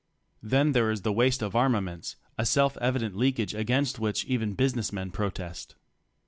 Then there is the waste of armaments, a self evident leak age against which even business men protest.